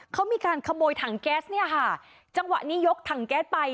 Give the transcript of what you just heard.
เขามีการขโมยถังแก๊สเนี่ยค่ะจังหวะนี้ยกถังแก๊สไป